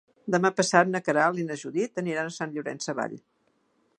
Demà passat na Queralt i na Judit aniran a Sant Llorenç Savall.